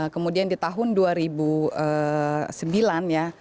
kemudian di tahun dua ribu sembilan ya